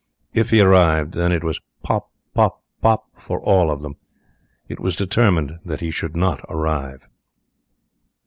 If he arrived, then it was pop, pop, pop for all of them. It was determined that he should not arrive.